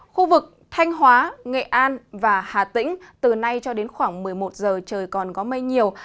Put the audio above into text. khu vực thanh hóa nghệ an và hà tĩnh từ nay cho đến khoảng một mươi một giờ trời còn có mây nhiều